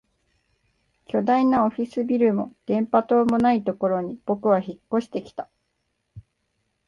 巨大なオフィスビルも電波塔もないところに僕は引っ越してきた